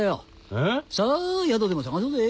えっ⁉さあ宿でも探そうぜ。